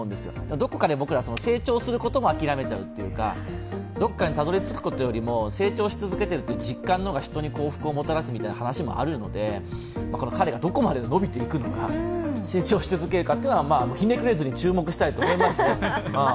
どこかで僕ら成長することも諦めちゃうというかどこかにたどり着くことよりも成長し続けているという実感の方が人に幸福をもたらすみたいな話もあるので、彼がどこまで伸びていくのか、成長し続けるかひねくれずに注目したいと思いますね。